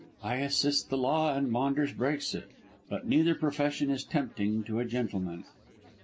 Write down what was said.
I assist the law, and Maunders breaks it. But neither profession is tempting to a gentleman."